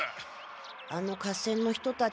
あの合戦の人たち。